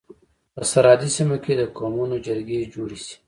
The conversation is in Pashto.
په سرحدي سيمو کي د قومونو جرګي جوړي سي.